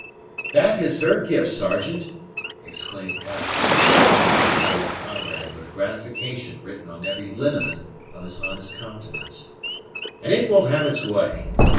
"That is her gift, Sergeant," exclaimed Pathfinder, turning to his old comrade with gratification written on every lineament of his honest countenance, "and it will have its way.